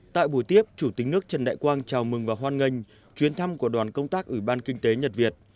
tại buổi tiếp chủ tịch nước trần đại quang chào mừng và hoan nghênh chuyến thăm của đoàn công tác ủy ban kinh tế nhật việt